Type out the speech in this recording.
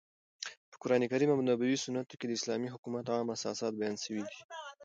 په قرانکریم او نبوي سنتو کښي د اسلامي حکومت عام اساسات بیان سوي دي.